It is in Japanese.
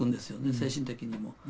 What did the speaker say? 精神的にも。